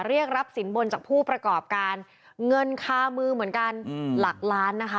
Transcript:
เรียกรับสินบนจากผู้ประกอบการเงินคามือเหมือนกันหลักล้านนะคะ